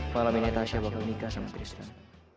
malam ini tasya bakal nikah sama tristan